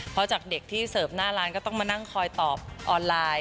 เพราะจากเด็กที่เสิร์ฟหน้าร้านก็ต้องมานั่งคอยตอบออนไลน์